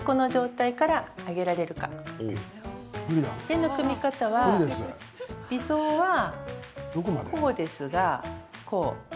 手の組み方は理想はこうですが、こう。